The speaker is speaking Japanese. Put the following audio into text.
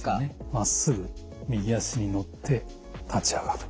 まっすぐ右足に乗って立ち上がる。